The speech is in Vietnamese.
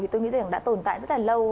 tôi nghĩ rằng đã tồn tại rất là lâu